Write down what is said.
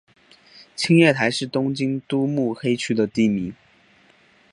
青叶台是东京都目黑区的地名。